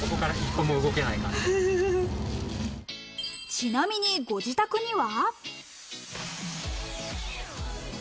ちなみにご自宅には。